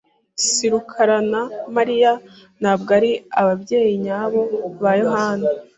[S] rukarana Mariya ntabwo ari ababyeyi nyabo ba Yohana.